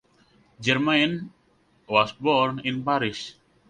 Germain was born in Paris.